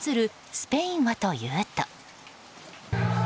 スペインはというと。